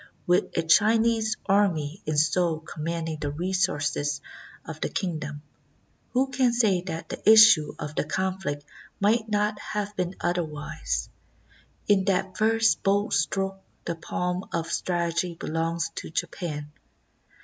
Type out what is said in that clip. With a Chinese army in Seoul commanding the resources of the kingdom, who can say that the issue of the conflict might not have been otherwise? In that first bold stroke the palm of strategy belongs to Japan.